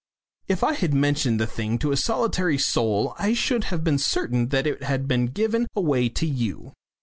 "If I had mentioned the thing to a solitary soul I should have been certain that it had been given away to you.